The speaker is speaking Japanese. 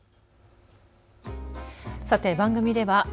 さて番組では＃